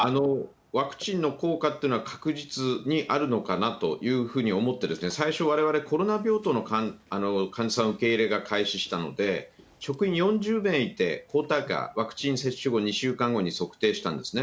ワクチンの効果ってのは確実にあるのかなというふうに思って、最初、われわれ、コロナ病棟の患者さんの受け入れが開始したので、職員４０名いて、抗体価、ワクチン接種後２週間後に、測定したんですね。